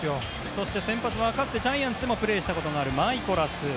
そして、先発はかつてジャイアンツでもプレーしたことがあるマイコラス。